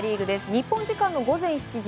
日本時間午前７時